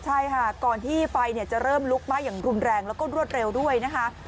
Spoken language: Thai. ใช่ค่ะก่อนที่ไฟจะเริ่มลุกไหม้อย่างรุนแรงแล้วก็รวดเร็วด้วยนะคะ